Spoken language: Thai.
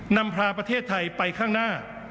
นำพาประเทศไทยไปข้างหน้า